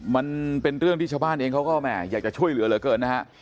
มันเป็นเรื่องที่ชาวบ้านเองเขาก็แห่อยากจะช่วยเหลือเหลือเกินนะฮะ